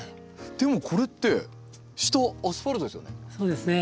でもこれって下アスファルトですよね。